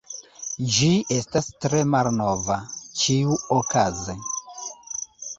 Ĝi estas tre malnova. Ĉiuokaze…